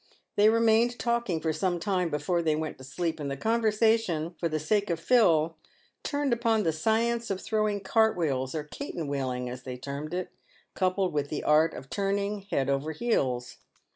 They remained talking for some time before they went to sleep, and the conversation — for the sake of Phil — turned upon the science of throwing cart wheels or eaten wheeling as they termed it, coupled with the art of turning head over heels.